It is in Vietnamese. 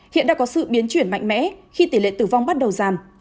hiện đã có sự biến chuyển mạnh mẽ khi tỷ lệ tử vong bắt đầu giảm